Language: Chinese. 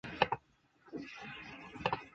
后来交趾太守士燮任命程秉为长史。